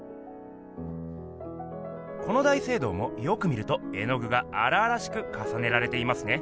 この大聖堂もよく見ると絵具があらあらしくかさねられていますね。